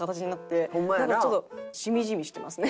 なんかちょっとしみじみしてますね